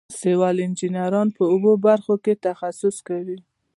سیول انجینران په اوو برخو کې تخصص کوي.